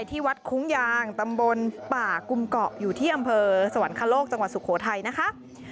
ที่วัดคุ้งยางตำบลป่ากุมเกาะอยู่ที่อำเภอสวรรคโลกจังหวัดสุโขทัยนะคะ